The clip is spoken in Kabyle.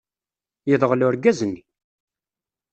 Yedɣel urgaz-nni!